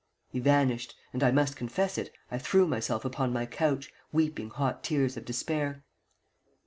He vanished, and, I must confess it, I threw myself upon my couch, weeping hot tears of despair.